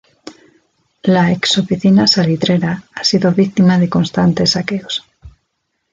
La ex oficina salitrera ha sido víctima de constantes saqueos.